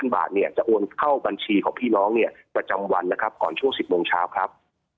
บาทเนี่ยจะโอนเข้าบัญชีของพี่น้องเนี่ยประจำวันนะครับก่อนช่วง๑๐โมงเช้าครับ